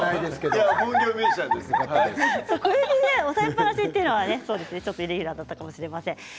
押さえっぱなしというのがイレギュラーだったかもしれません。